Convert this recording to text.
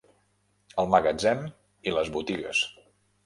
El magatzem i les botigues.